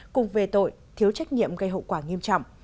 cùng về tội thiếu trách nhiệm gây hậu quả nghiêm trọng